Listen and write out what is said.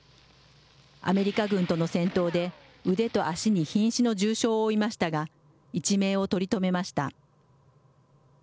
アメリカ軍との戦闘で腕と足にひん死の重傷を負いましたが、一命を取り留めました。